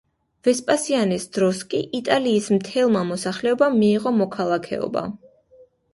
ვესპასიანეს დროს კი იტალიის მთელმა მოსახლეობამ მიიღო მოქალაქეობა.